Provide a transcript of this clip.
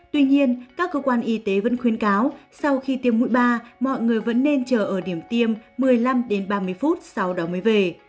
tuy nhiên các cơ quan y tế vẫn khuyến cáo sau khi tiêm mũi ba mọi người vẫn nên chờ ở điểm tiêm một mươi năm đến ba mươi phút sau đó mới về